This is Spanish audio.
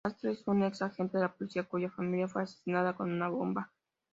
Castle es un ex-agente de la policía, cuya familia fue asesinada con una bomba.